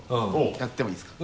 やってもいいですか？